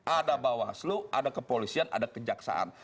ada bawaslu ada kepolisian ada kejaksaan